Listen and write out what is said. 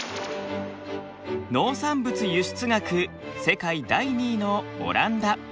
農産物輸出額世界第２位のオランダ。